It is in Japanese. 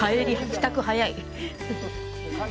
帰宅、早い。